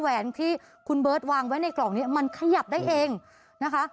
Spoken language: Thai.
แหวนที่คุณเบิร์ตวางไว้ในกล่องนี้มันขยับได้เองนะคะ